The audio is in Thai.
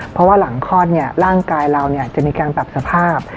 เพราะว่าหลังคลอดร่างกายเราจะมีการปรับสภาพ